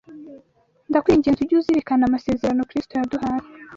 ndakwinginze ujye uzirikana amasezerano Kristo yaduhaye